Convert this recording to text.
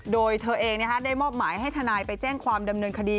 โดยเธอเองได้มอบหมายให้ทนายไปแจ้งความดำเนินคดี